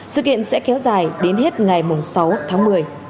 sự kiện sẽ kéo dài đến hết ngày sáu tháng một mươi